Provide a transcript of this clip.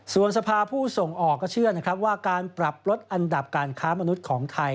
ส่วนสภาผู้ส่งออกก็เชื่อนะครับว่าการปรับลดอันดับการค้ามนุษย์ของไทย